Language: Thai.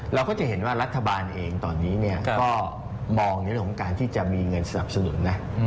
เราก็จะเห็นว่ารัฐบาลเองตอนนี้ก็มองในเรื่องของการที่จะมีเงินสนับสนุนนะ